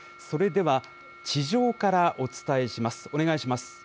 それでは地上からお伝えします。